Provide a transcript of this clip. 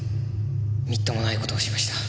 みっともない事をしました。